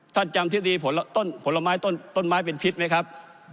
ท่านจำทิศดีต้นผลไม้ต้นไม้เป็นพิษไหมครับ